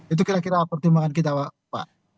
itu kira kira pertimbangan kita pak